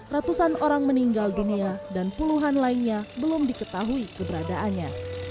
ratusan orang meninggal dunia dan puluhan lainnya belum diketahui keberadaannya